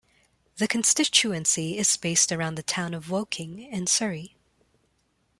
The constituency is based around the town of Woking in Surrey.